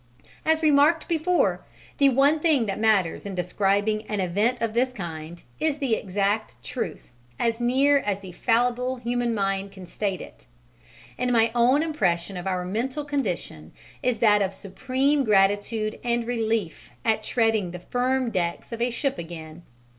As remarked before, the one thing that matters in describing an event of this kind is the exact truth, as near as the fallible human mind can state it; and my own impression of our mental condition is that of supreme gratitude and relief at treading the firm decks of a ship again.